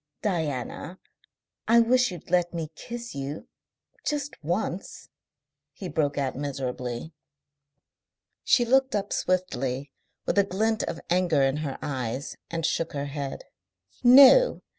"Diana, I wish you'd let me kiss you, just once," he broke out miserably. She looked up swiftly with a glint of anger in her eyes, and shook her head. "No.